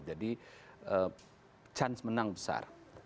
jadi chance menang besar